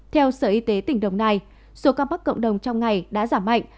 theo sở y tế tỉnh đồng nai số ca mắc cộng đồng trong ngày đã giảm mạnh